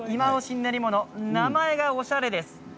練り物名前がおしゃれです。